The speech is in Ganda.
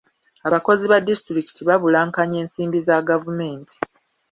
Abakozi ba disitulikiti babulankanya ensimbi za gavumenti.